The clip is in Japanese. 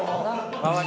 周り